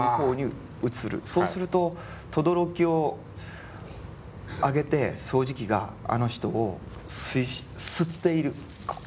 そうするととどろきを上げて掃除機があの人を吸っている。